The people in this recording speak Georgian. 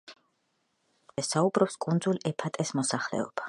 ამ ენებზე ასევე საუბრობს კუნძულ ეფატეს მოსახლეობა.